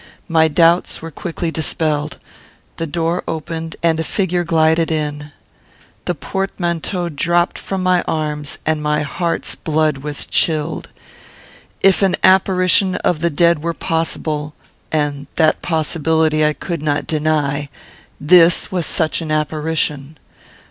My doubts were quickly dispelled. The door opened, and a figure glided in. The portmanteau dropped from my arms, and my heart's blood was chilled. If an apparition of the dead were possible, (and that possibility I could not deny,) this was such an apparition.